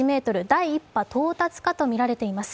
第１波到達かとみられています。